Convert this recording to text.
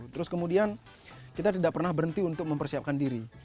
terus kemudian kita tidak pernah berhenti untuk mempersiapkan diri